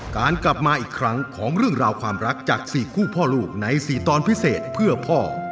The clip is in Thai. การกลับมาอีกครั้งของเรื่องราวความรักจาก๔คู่พ่อลูกใน๔ตอนพิเศษเพื่อพ่อ